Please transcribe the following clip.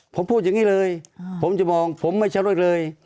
ผมพูดอย่างนี้เลยผมจะมองผมไม่ใช้รถเลย